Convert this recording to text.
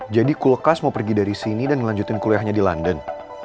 jadi kulkas mau pergi dari sini dan ngelanjutin kuliahnya di london